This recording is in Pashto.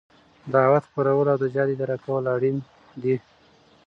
دعوت خپرول او د جهاد اداره کول اړين دي.